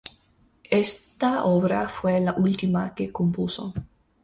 Esta obra fue la última que compuso.